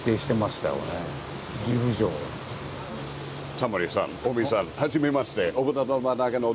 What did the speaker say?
タモリさん近江さんはじめまして。